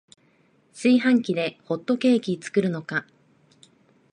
炊飯器でホットケーキ作るのか